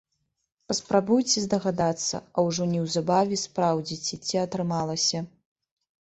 Паспрабуйце здагадацца, а ўжо неўзабаве спраўдзіце, ці атрымалася.